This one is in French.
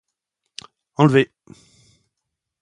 Enlevée !